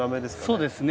そうですね。